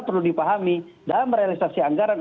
perlu dipahami dalam realisasi anggaran